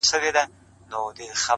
زما سره يې دومره ناځواني وكړله _